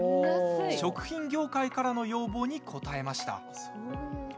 食品業界からの要望に応えました。